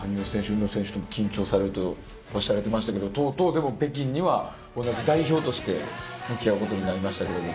宇野選手とも緊張されるとおっしゃられてましたけどとうとう北京には同じ代表として向き合うことになりましたけれども。